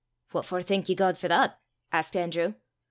"What for thank ye God for that?" asked Andrew.